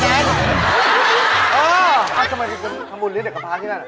เออทำไมคุณทำบุญเล็กกระพาที่นั่น